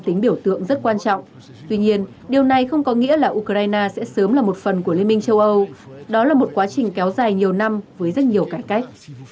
tuy nhiên điều này không có nghĩa là ukraine sẽ sớm là một phần của liên minh châu âu đó là một quá trình kéo dài nhiều năm với rất nhiều cải cách